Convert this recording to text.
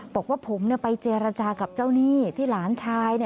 บอกว่าผมไปเจรจากับเจ้าหนี้ที่หลานชาย